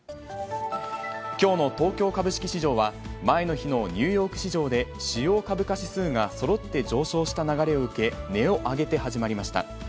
きょうの東京株式市場は、前の日のニューヨーク市場で主要株価指数がそろって上昇した流れを受け、値を上げて始まりました。